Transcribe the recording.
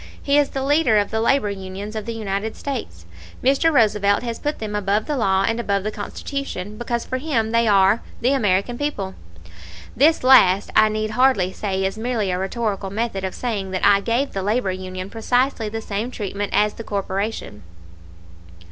He is the leader of the labor unions of the United States. Mr. Roosevelt has put them above the law and above the Constitution, because for him they are the American people." [This last, I need hardly say, is merely a rhetorical method of saying that I gave the labor union precisely the same treatment as the corporation.